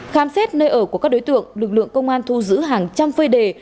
khám xét nơi ở của các đối tượng lực lượng công an thu giữ hàng trăm phơi đề